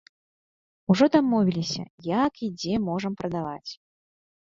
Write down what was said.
Ужо дамовіліся, як і дзе можам прадаваць.